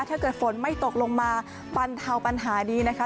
ถ้าเกิดฝนไม่ตกลงมาบรรเทาปัญหาดีนะคะ